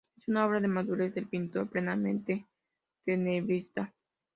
Es una obra de madurez del pintor, plenamente tenebrista.